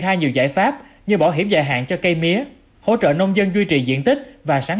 khai nhiều giải pháp như bảo hiểm dài hạn cho cây mía hỗ trợ nông dân duy trì diện tích và sản